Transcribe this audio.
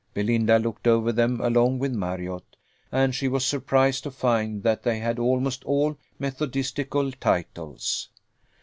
Belinda looked over them along with Marriott, and she was surprised to find that they had almost all methodistical titles.